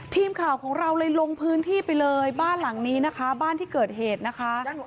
ทีมข่าวของเราเลยลงพื้นที่ไปเลยบ้านหลังนี้นะคะบ้านที่เกิดเหตุนะคะ